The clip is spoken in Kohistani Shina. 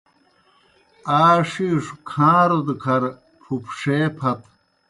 آ ݜِیݜوْ کھاݩرود کھر پُھپݜے پھت۔